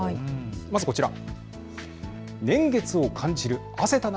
まず、こちら。